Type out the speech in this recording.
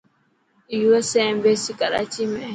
USA ايمبيسي ڪراچي ۾ هي .